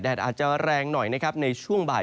แดดอาจจะแรงหน่อยในช่วงบ่าย